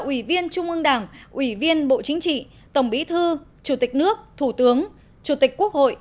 ủy viên trung ương đảng ủy viên bộ chính trị tổng bí thư chủ tịch nước thủ tướng chủ tịch quốc hội